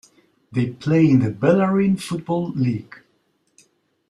They play in the Bellarine Football League.